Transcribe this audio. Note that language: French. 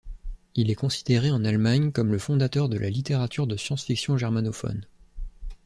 Il est considéré en Allemagne comme le fondateur de la littérature de science-fiction germanophone.